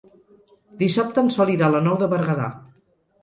Dissabte en Sol irà a la Nou de Berguedà.